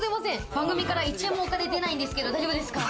番組から１円もお金でないんですけど大丈夫ですか？